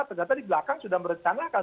ternyata di belakang sudah merencanakan